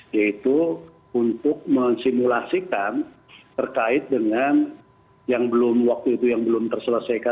yaitu untuk mensimulasikan terkait dengan yang belum waktu itu yang belum terselesaikan